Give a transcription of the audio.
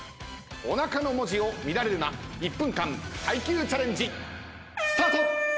お腹の文字を見られるな１分間耐久チャレンジ。